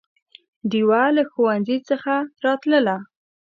ډېوه له ښوونځي څخه راتلله